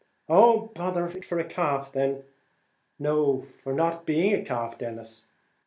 "Oh, bother it for a calf then!" "No; for not being a calf, Denis."